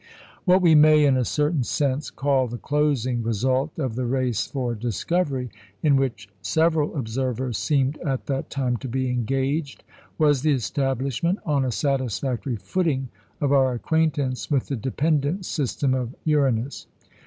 What we may, in a certain sense, call the closing result of the race for discovery, in which several observers seemed at that time to be engaged, was the establishment, on a satisfactory footing, of our acquaintance with the dependent system of Uranus.